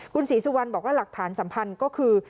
คุณศรีสุวรรณบอกว่าหลักฐานสำคัญก็คือ